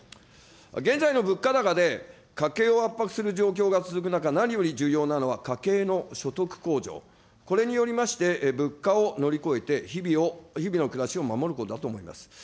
現在の物価高で家計を圧迫する状況が続く中、何より重要なのは家計の所得控除、これによりまして、物価を乗り越えて、日々の暮らしを守ることだと思います。